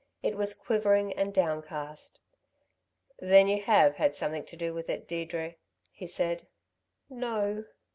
It was quivering and downcast. "Then you have had something to do with it, Deirdre," he said. "No."